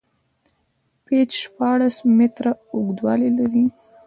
پېچ شپاړس میتره اوږدوالی لري.